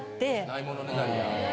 ないものねだりや。